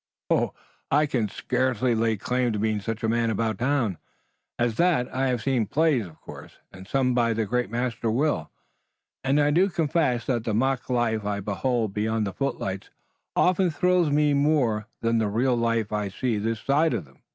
"I can scarcely lay claim to being such a man about town as that. I have seen plays, of course, and some by the great Master Will, and I do confess that the mock life I behold beyond the footlights often thrills me more than the real life I see this side of them.